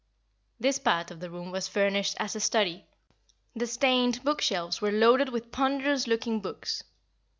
This part of the room was furnished as a study. The stained book shelves were loaded with ponderous looking books.